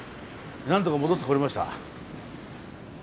なんとか戻って来れました。